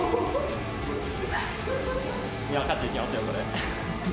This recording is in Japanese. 勝ちにいきますよ、これ。